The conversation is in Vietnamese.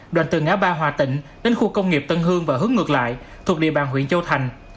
đoàn từ ngã ba hòa tịnh đến khu công nghiệp tân hương và hướng ngược lại thuộc địa bàn huyện châu thành